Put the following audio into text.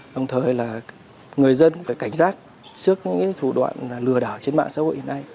đồng thời là người dân phải cảnh giác trước những thủ đoạn lừa đảo trên mạng xã hội hiện nay